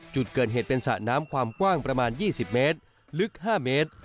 จุดเกิดเหตุเป็นสระน้ำความกว้างประมาณ๒๐เมตรลึก๕เมตร